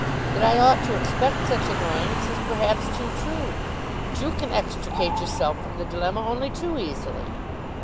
That I ought to expect such annoyance is perhaps too true. But you can extricate yourself from the dilemma only too easily."